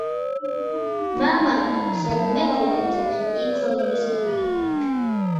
მამამ ხელმეორედ იქორწინა.